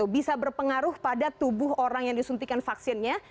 bisa berpengaruh pada tubuh orang yang disuntikan vaksinnya